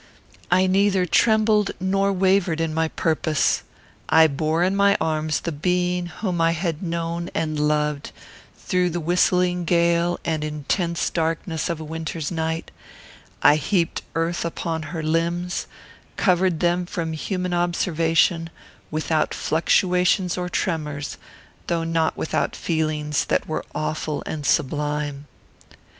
I neither trembled nor wavered in my purpose. I bore in my arms the being whom I had known and loved, through the whistling gale and intense darkness of a winter's night; I heaped earth upon her limbs, and covered them from human observation, without fluctuations or tremors, though not without feelings that were awful and sublime.